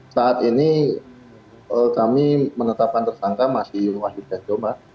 saat ini kami menetapkan tersangka masih wahyu